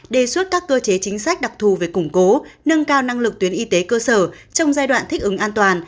đề xuất các cơ chế chính sách đặc thù về củng cố nâng cao năng lực tuyến y tế cơ sở trong giai đoạn thích ứng an toàn